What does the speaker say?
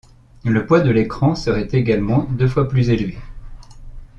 Le poids de l’écran serait également deux fois plus élevé.